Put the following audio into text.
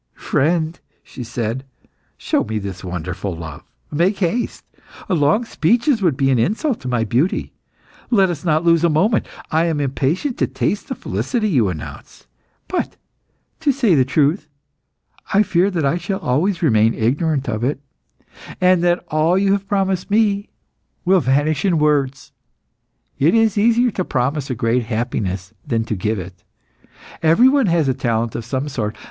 "Friend," she said, "show me this wonderful love. Make haste! Long speeches would be an insult to my beauty; let us not lose a moment. I am impatient to taste the felicity you announce; but, to say the truth, I fear that I shall always remain ignorant of it, and that all you have promised me will vanish in words. It is easier to promise a great happiness than to give it. Everyone has a talent of some sort.